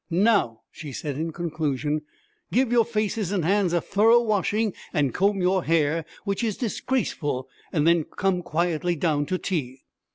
'Now,' she said, in conclusion, 'give your faces and hands a thorough washing, and comb your hair, which is disgraceful; then come quietly down to tea.'